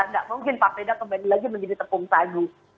tidak mungkin papeda kembali lagi menjadi tepung sagu